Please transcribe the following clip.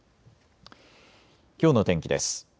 きょうの天気です。